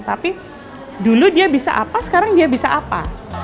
tapi dulu dia bisa apa sekarang dia bisa apa